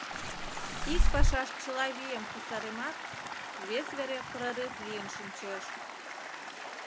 Ик пашаш чыла вийым кусаремат, вес вере прорыв лийын шинчеш.